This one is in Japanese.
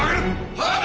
はい！